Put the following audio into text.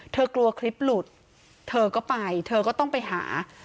กลัวคลิปหลุดเธอก็ไปเธอก็ต้องไปหา